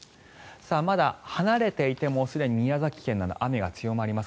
まだ離れていてもすでに宮崎県など雨が強まります。